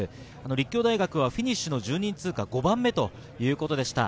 立教大学はフィニッシュの１０人通過、５番目ということでした。